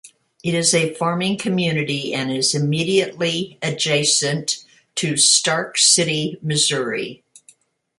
It is a farming community and is immediately adjacent to Stark City, Missouri.